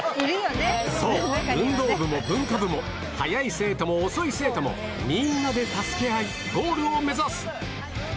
そう、運動部も文化部も、速い生徒も遅い生徒も、みんなで助け合い、ゴールを目指す。